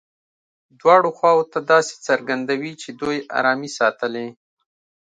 دواړو خواوو ته داسې څرګندوي چې دوی ارامي ساتلې.